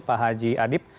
pak haji adib